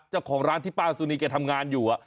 เจ้าของร้านที่ป้าสุนีแกทำงานอยู่